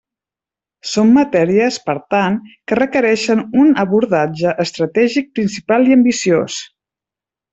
Són matèries, per tant, que requereixen un abordatge estratègic principal i ambiciós.